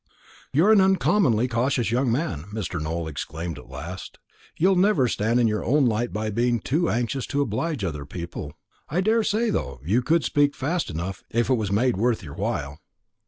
"You're an uncommonly cautious young man," Mr. Nowell exclaimed at last. "You'll never stand in your own light by being too anxious to oblige other people. I daresay, though, you could speak fast enough, if it was made worth your while."